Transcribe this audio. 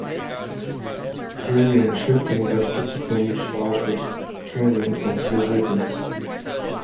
Terry and Chilton were subsequently charged with carrying concealed weapons.